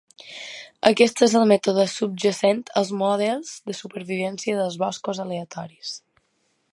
Aquest és el mètode subjacent als models de supervivència dels boscos aleatoris.